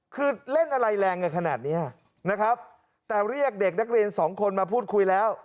คือเล่นอะไรแรงกันขนาดนี้นะครับแต่เรียกเด็กนักเรียนสองคนมาพูดคุยแล้ว